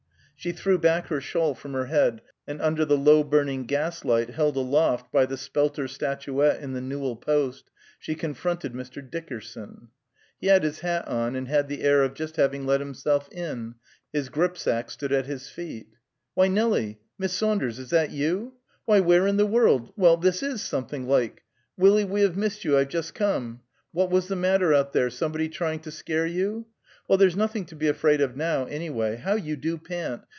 She threw back her shawl from her head, and under the low burning gas light held aloft by the spelter statuette in the newel post, she confronted Mr. Dickerson. He had his hat on, and had the air of just having let himself in; his gripsack stood at his feet. "Why, Nelie! Miss Saunders! Is that you? Why, where in the world Well, this is something like 'Willy, we have missed you'; I've just come. What was the matter out there? Somebody trying to scare you? Well, there's nothing to be afraid of now, anyway. How you do pant!